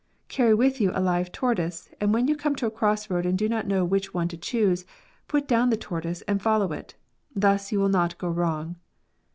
" Carry with you a live tortoise, and when you come to a cross road and do not know which one to choose, put down the tortoise and follow it. Thus you will not go wrong."